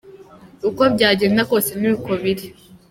Uko byagenda kose ni uko biri.